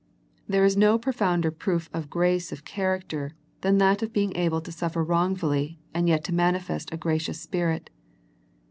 There is no profounder proof of grace of character than that of being able to suffer wrongfully and yet to manifest a gracious spirit.